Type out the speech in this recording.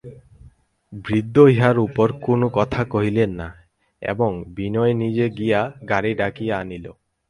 বৃদ্ধ ইহার উপর কোনো কথা কহিলেন না এবং বিনয় নিজে গিয়া গাড়ি ডাকিয়া আনিল।